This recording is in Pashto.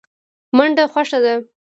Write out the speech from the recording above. منډه خوښه ده.